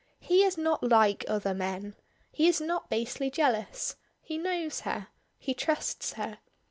He is not like other men. He is not basely jealous. He knows her. He trusts her.